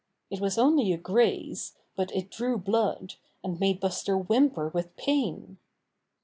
It was only a graze, but it drew blood, and made Buster whimper with pain.